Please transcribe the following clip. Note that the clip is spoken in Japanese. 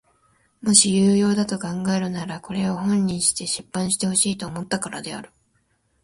もし有用だと考えるならこれを本にして出版してほしいと思ったからである。